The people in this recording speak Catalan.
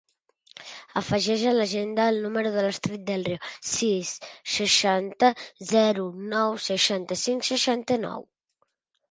Afegeix a l'agenda el número de l'Astrid Del Rio: sis, seixanta, zero, nou, seixanta-cinc, seixanta-nou.